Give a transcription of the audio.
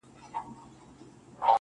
راته شعرونه ښكاري.